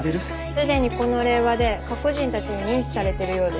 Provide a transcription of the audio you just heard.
既にこの令和で過去人たちに認知されてるようです。